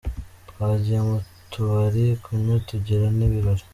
Twagiye mu tubari kunywa tugira n’ibirori!